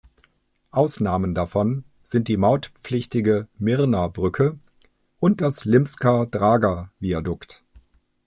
Ausnahmen davon sind die mautpflichtige Mirna-Brücke und das Limska-Draga-Viadukt.